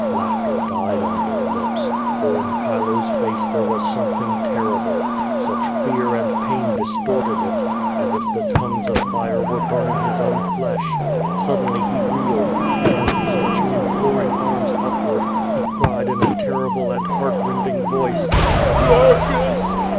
Laughter died on their lips, for in Chilo's face there was something terrible. Sucli fear and pain distorted it, as if the tongues of fire were burn ing his own flesh. Suddenly he reeled, and, stretching im ploring arms upward, he cried in a terrible and heartrending voice: "Glaucus!